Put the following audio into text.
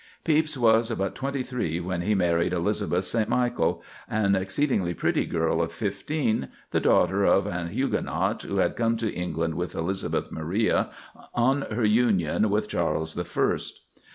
Pepys was but twenty three when he married Elizabeth St. Michel, an exceedingly pretty girl of fifteen, the daughter of a Huguenot who had come to England with Elizabeth Maria on her union with Charles the First.